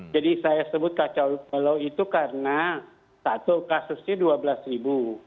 jadi saya sebut kacau balau itu karena satu kasusnya dua belas ribu